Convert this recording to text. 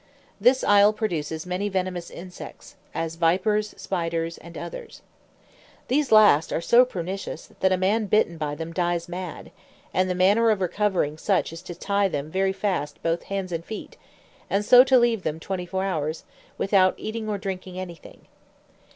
This isle produces many venomous insects, as vipers, spiders, and others. These last are so pernicious, that a man bitten by them dies mad; and the manner of recovering such is to tie them very fast both hands and feet, and so to leave them twenty four hours, without eating or drinking anything.